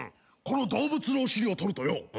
この動物のお尻を取るとよ